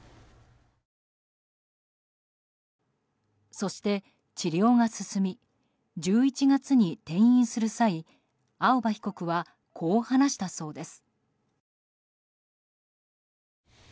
そして、治療が進み１１月に転院する際青葉被告はこう話したそうです。